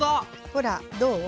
ほらどう？